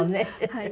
はい。